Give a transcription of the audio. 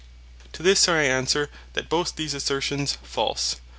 To this I answer, that both these assertions are false.